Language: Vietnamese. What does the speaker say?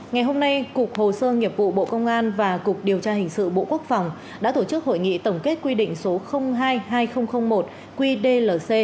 ngày hôm nay cục hồ sơ nghiệp vụ bộ công an và cục điều tra hình sự bộ quốc phòng đã tổ chức hội nghị tổng kết quy định số hai hai nghìn một qdlc